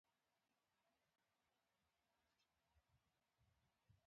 زه ویلما یم هغې وویل او لاس یې ور وغزاوه